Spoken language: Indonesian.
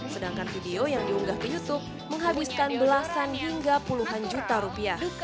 sedangkan video yang diunggah ke youtube menghabiskan belasan hingga puluhan juta rupiah